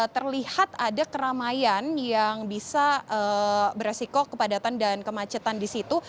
terlihat ada keramaian yang bisa beresiko kepadatan dan kemacetan di situ